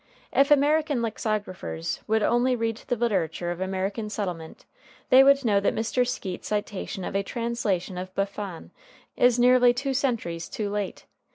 If American lexicographers would only read the literature of American settlement they would know that Mr. Skeat's citation of a translation of Buffon is nearly two centuries too late.